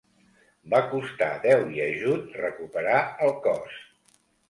Va costar déu i ajut recuperar el cos.